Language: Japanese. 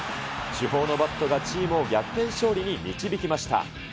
主砲のバットがチームを逆転勝利に導きました。